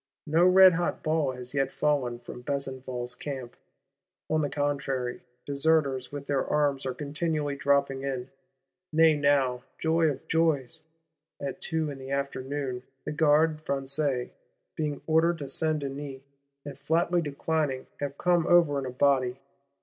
No redhot ball has yet fallen from Besenval's Camp; on the contrary, Deserters with their arms are continually dropping in: nay now, joy of joys, at two in the afternoon, the Gardes Françaises, being ordered to Saint Denis, and flatly declining, have come over in a body!